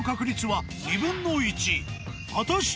［果たして］